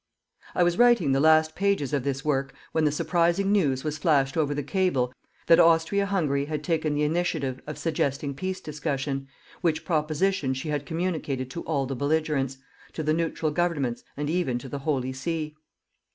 I was writing the last pages of this work when the surprising news was flashed over the cable that Austria Hungary had taken the initiative of suggesting peace discussion, which proposition she had communicated to all the belligerents, to the neutral governments and even to the Holy See.